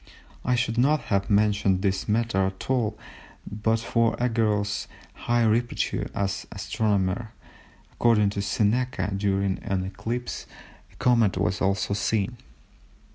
I should not have mentioned this matter at all, but for Arago's high repute as an astronomer. According to Seneca during an eclipse a comet was also seen.